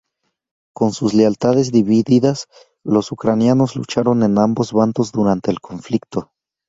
Con sus lealtades divididas, los ucranianos lucharon en ambos bandos durante el conflicto.